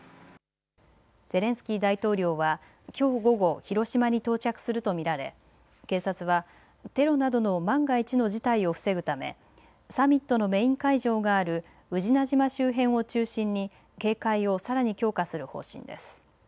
ゼレンスキー大統領はきょう午後、広島に到着すると見られ警察はテロなどの万が一の事態を防ぐためサミットのメイン会場がある宇品島周辺を中心に警戒をさらに強化する方針です。